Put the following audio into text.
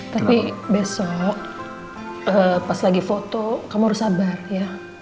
tapi besok pas lagi foto kamu harus sabar ya